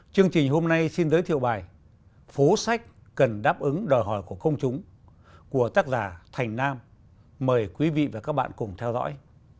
chương trình hôm nay xin giới thiệu bài phố sách cần đáp ứng đòi hỏi của công chúng của tác giả thành nam mời quý vị và các bạn cùng theo dõi